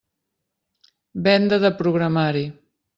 Venda de programari.